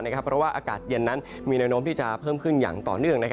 เพราะว่าอากาศเย็นนั้นมีแนวโน้มที่จะเพิ่มขึ้นอย่างต่อเนื่อง